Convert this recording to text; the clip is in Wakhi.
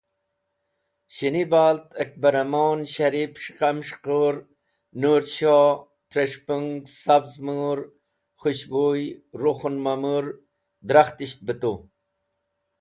shinibalt, akberamon, sharip, s̃hiqamshiqur, nurshoh, tres̃hpung, savz mur, khushbu, rukhun mamur drakhtisht b tu